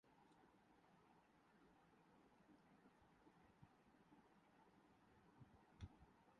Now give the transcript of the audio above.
اس سے قوم کے عزم کو تقویت پہنچی ہے۔